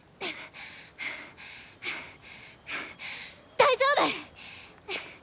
大丈夫！